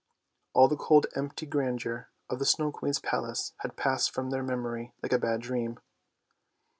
All the cold empty grandeur of the Snow Queen's palace had passed from their memory like a bad dream.